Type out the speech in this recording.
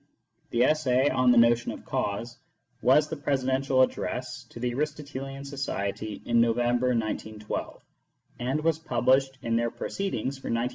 The essay " On the Notion of Cause " was the presidential address to the Aristotelian Society in November, 1912, and was pub lished in their Proceedings for 1912 13.